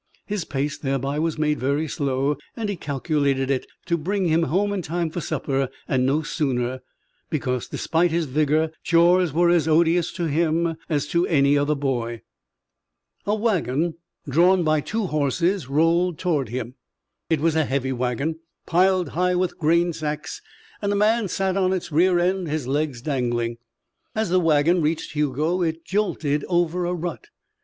His pace thereby was made very slow and he calculated it to bring him to his home in time for supper and no sooner, because, despite his vigour, chores were as odious to him as to any other boy. A wagon drawn by two horses rolled toward him. It was a heavy wagon, piled high with grain sacks, and a man sat on its rear end, his legs dangling. As the wagon reached Hugo, it jolted over a rut.